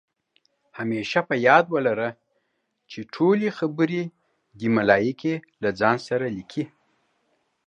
همېشه په یاد ولره، چې ټولې خبرې دې ملائکې له ځان سره لیکي